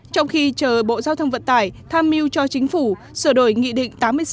trong khi chờ bộ giao thông vận tải tham mưu cho chính phủ sửa đổi nghị định tám mươi sáu